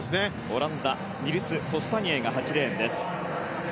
オランダニルス・コスタニエが８レーンです。